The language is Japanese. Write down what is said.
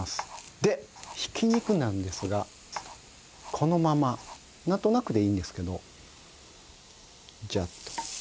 でひき肉なんですがこのままなんとなくでいいんですけどジャッと。